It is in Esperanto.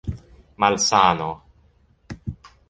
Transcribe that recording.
malsano